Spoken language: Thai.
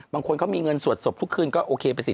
บางคนเขามีเงินสวดศพทุกคืนก็โอเคไปสิ